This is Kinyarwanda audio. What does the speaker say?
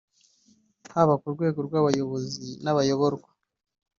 Haba ku rwego rw’abayobozi n’abayoborwa